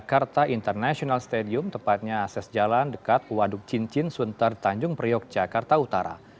jakarta international stadium tepatnya akses jalan dekat waduk cincin sunter tanjung priok jakarta utara